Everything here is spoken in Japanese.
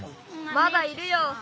まだいるよ！